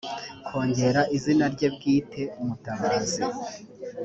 kongera izina rye bwite mutabazi